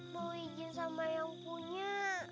mau izin sama yang punya